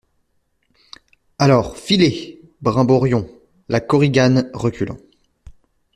Alors, filez, brimborion ! LA KORIGANE, reculant.